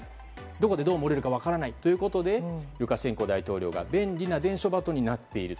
どこでどう漏れるか分からないということでルカシェンコ大統領が便利な伝書バトになっている。